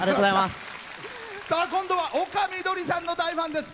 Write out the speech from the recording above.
さあ今度は丘みどりさんの大ファンです。